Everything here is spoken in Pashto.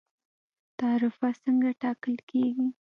تعرفه څنګه ټاکل کیږي؟